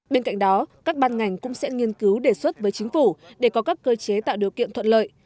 bên cạnh đó các ban ngành cũng sẽ nghiên cứu đề xuất với chính phủ để có các cơ chế tạo điều kiện thuận lợi